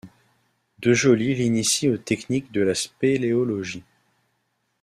De Joly l'initie aux techniques de la spéléologie.